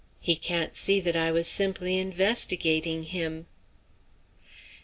He can't see that I was simply investigating him!"